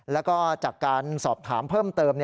แล้วก็จากการสอบถามเพิ่มเติม